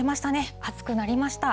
暑くなりました。